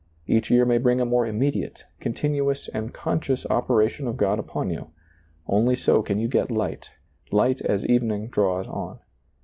Each year may bring a more immediate, continuous and conscious operation of God upon you ; only so can you get light, light as evening draws on.